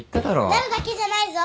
なるだけじゃないぞ。